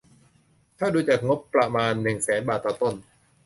ถ้าดูจากงบประมาณ หนึ่ง แสนบาทต่อต้น